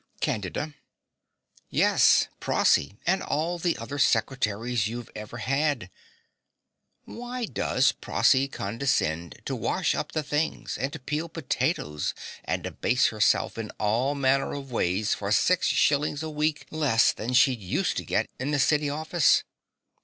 CANDIDA. Yes, Prossy, and all the other secretaries you ever had. Why does Prossy condescend to wash up the things, and to peel potatoes and abase herself in all manner of ways for six shillings a week less than she used to get in a city office?